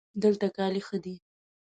دلته کالي ښه دي